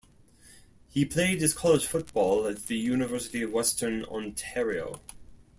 He played his college football at the University of Western Ontario.